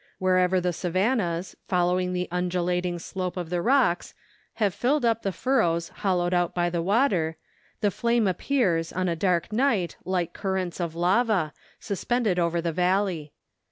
Wherever the savannahs, following the undulating slope of the rocks, have filled up the furrows hollowed out by the water, the flame appears, on a dark night, like currents of lava, suspended over the valley.